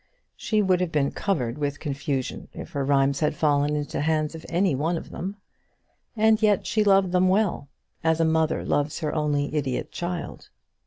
She would have been covered with confusion if her rhymes had fallen into the hands of any one of them. And yet she loved them well, as a mother loves her only idiot child.